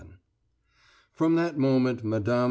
VII From that moment Mme.